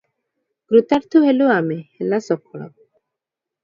କୃତାର୍ଥ ହେଲୁ ଆମେ ହେଲା ସଫଳ-